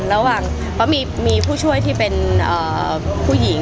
เพราะมีผู้ช่วยที่เป็นผู้หญิง